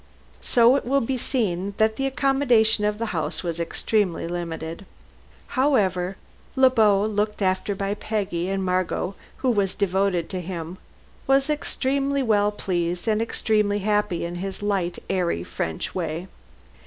So it will be seen that the accommodation of the house was extremely limited. However, Le Beau, looked after by Peggy and Margot, who was devoted to him, was extremely well pleased, and extremely happy in his light airy French way.